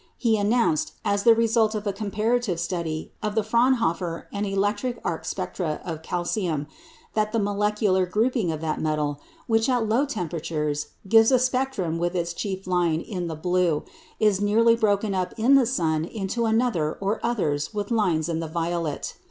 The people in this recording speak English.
He announced, as the result of a comparative study of the Fraunhofer and electric arc spectra of calcium, that the "molecular grouping" of that metal, which at low temperatures gives a spectrum with its chief line in the blue, is nearly broken up in the sun into another or others with lines in the violet.